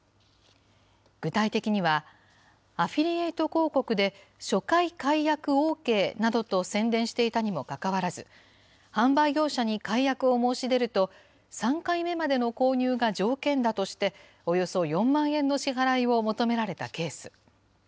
具体的には、アフィリエイト広告で初回解約ＯＫなどと宣伝していたにもかかわらず、販売業者に解約を申し出ると、３回目までの購入が条件だとして、およそ４万円の支払いを求められたケース。